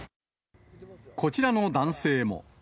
こちらの男性も。